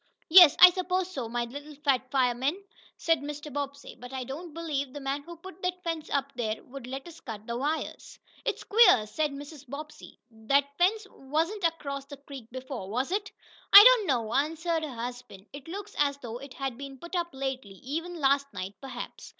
"Yes, I suppose so, my little fat fireman," said Mr. Bobbsey. "But I don't believe the man who put that fence up there would let us cut the wires." "It's queer," said Mrs. Bobbsey. "That fence wasn't across the creek before, was it?" "I don't know," answered her husband. "It looks as though it had been put up lately even last night, perhaps.